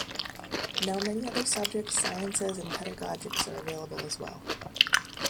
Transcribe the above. Now many other subjects, sciences and pedagogics, are available as well.